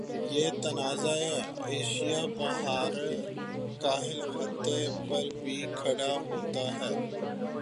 یہ تنازع ایشیا بحرالکاہل خطے پر بھی کھڑا ہوتا ہے